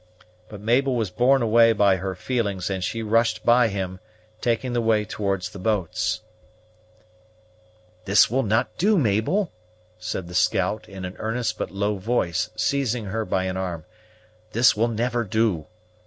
But Mabel was borne away by her feelings, and she rushed by him, taking the way towards the boats. "This will not do, Mabel," said the scout in an earnest but low voice, seizing her by an arm; "this will never do.